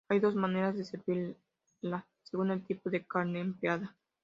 Hay dos maneras de servirla, según el tipo de carne empleada.